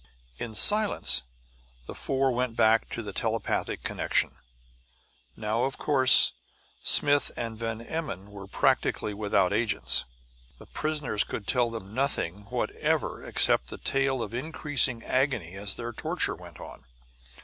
In silence the four went back into telepathic connection. Now, of course, Smith and Van Emmon were practically without agents. The prisoners could tell them nothing whatever except the tale of increasing agony as their torture went on.